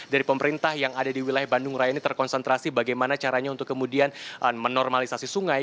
dari pemerintah yang ada di wilayah bandung raya ini terkonsentrasi bagaimana caranya untuk kemudian menormalisasi sungai